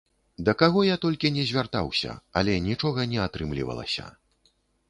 Да каго я толькі не звяртаўся, але нічога не атрымлівалася.